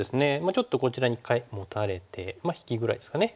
ちょっとこちらに一回モタれて引きぐらいですかね。